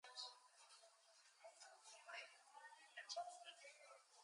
A number of streams and small creeks run through the reserve.